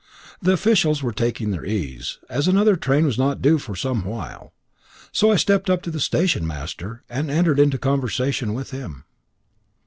The officials were taking their ease, as another train was not due for some while; so I stepped up to the station master and entered into conversation with him.